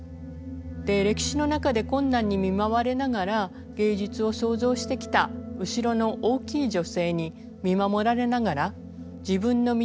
歴史の中で困難に見舞われながら芸術を創造してきた後ろの大きい女性に見守られながら自分の道を歩む現代の女性を手前の女性が表しているんです。